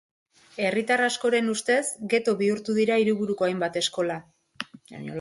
Herritar askoren ustez, geto bihurtu dira hiriburuko hainbat eskola.